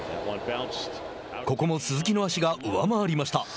ここも鈴木の足が上回りました。